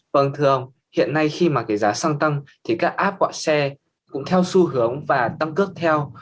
vâng thường hiện nay khi mà cái giá xăng tăng thì các app quạ xe cũng theo xu hướng và tăng cước theo